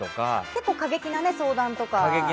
結構、過激な相談とか。